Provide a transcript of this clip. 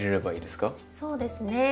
あそうですね。